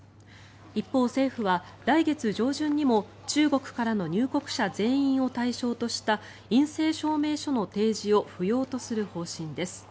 一方、政府は来月上旬にも中国からの入国者全員を対象とした陰性証明書の提示を不要とする方針です。